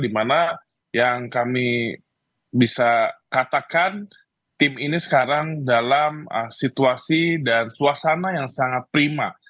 dimana yang kami bisa katakan tim ini sekarang dalam situasi dan suasana yang sangat prima